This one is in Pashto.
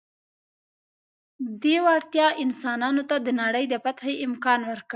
دې وړتیا انسانانو ته د نړۍ د فتحې امکان ورکړ.